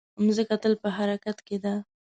مځکه تل په حرکت کې ده.